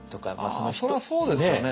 それはそうですよね。